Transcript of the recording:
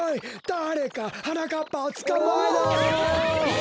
だれかはなかっぱをつかまえろ！